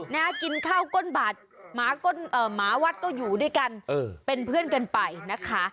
น่ากินข้าวก้นบาดหมาวัดก็อยู่ด้วยกันเป็นเพื่อนกันไปนะคะ